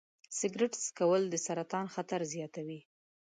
سګرټ څکول د سرطان خطر زیاتوي.